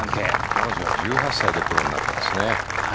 彼女は１８歳でプロになってますね。